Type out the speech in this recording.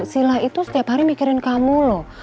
sila itu setiap hari mikirin kamu loh